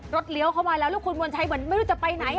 รถเลี้ยวเข้ามาแล้วลูกคุณมนชัยไม่รู้จะไปไหน